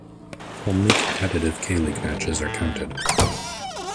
Only competitive K-League matches are counted.